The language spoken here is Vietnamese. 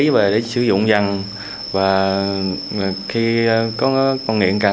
tôi mua tí về để sử dụng dằn và khi có con nghiện cần